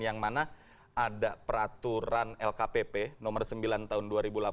yang mana ada peraturan lkpp nomor sembilan tahun dua ribu delapan belas